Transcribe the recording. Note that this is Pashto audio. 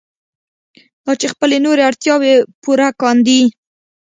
دا چې خپلې نورې اړتیاوې پوره کاندي.